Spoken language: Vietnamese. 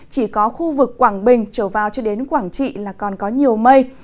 chỉ có khu vực quảng bình trở vào cho đến quảng trị là còn có nhiều mây